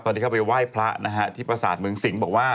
ตอนนี้เข้าไปไหว้พระนะฮะที่ประสาทเมืองสิงห์บอกว่า